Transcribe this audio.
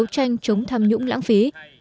tranh chống tham nhũng lãng phí